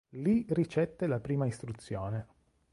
Lì ricette la prima istruzione.